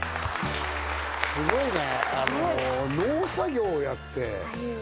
すごいね。